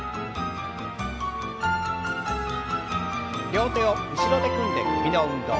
両手を後ろで組んで首の運動。